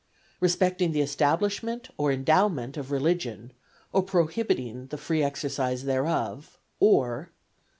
Respecting the establishment or endowment of religion, or prohibiting the free exercise thereof; or "(2.)